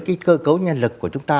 cái cơ cấu nhân lực của chúng ta